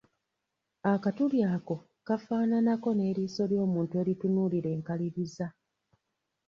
Akatuli ako kafaananako n'eriiso ly'omuntu eritunuulira enkaliriza.